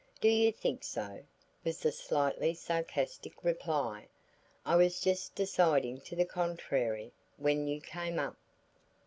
"Do you think so?" was the slightly sarcastic reply. "I was just deciding to the contrary when you came up."